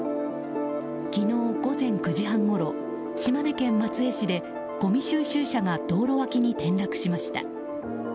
昨日午前９時半ごろ島根県松江市でごみ収集車が道路脇に転落しました。